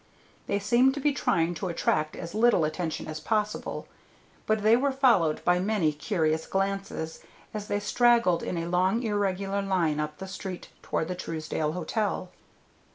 They seemed to be trying to attract as little attention as possible, but they were followed by many curious glances, as they straggled in a long irregular line up the street toward the Truesdale Hotel.